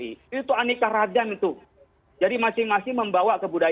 itu anikah ragam itu